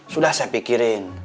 sudah saya pikirin